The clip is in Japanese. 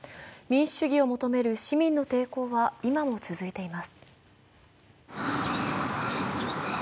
民主主義を求める市民の抵抗は今も続いています。